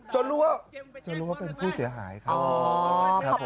จนรู้ว่าเป็นผู้เสียหายครับผม